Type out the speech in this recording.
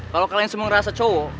kalo kalian semua ngerasa cowo